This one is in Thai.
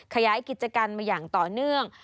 ขยายกิจการมาอย่างต่อเนื่อง